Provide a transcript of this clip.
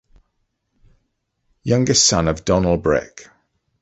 Youngest son of Domnall Brecc.